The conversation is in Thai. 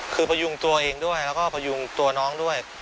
คือพยุงตัวเองด้วยแล้วก็พยุงตัวน้องด้วย